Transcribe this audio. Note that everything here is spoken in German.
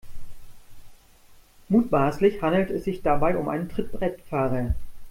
Mutmaßlich handelt es sich dabei um einen Trittbrettfahrer.